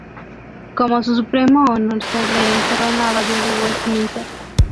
Como supremo honor, se le enterró en la abadía de Westminster.